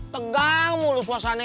tegang mulu suasananya